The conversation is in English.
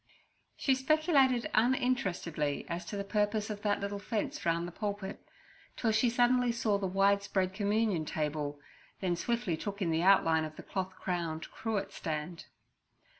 She speculated uninterestedly as to the purpose of that little fence round the pulpit, till she suddenly saw the white spread Communion table, then swiftly took in the outline of the cloth crowned 'cruet stand.'